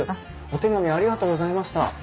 お手紙ありがとうございました。